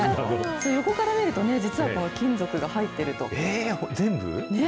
横から見ると実は金属が入っ全部？